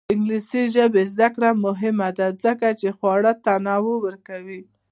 د انګلیسي ژبې زده کړه مهمه ده ځکه چې خواړه تنوع ورکوي.